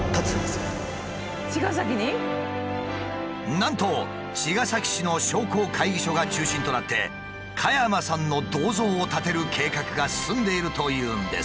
なんと茅ヶ崎市の商工会議所が中心となって加山さんの銅像を建てる計画が進んでいるというんです。